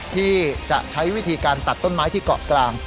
ที่จะใช้วิธีการตัดต้นไม้ที่เกาะกลาง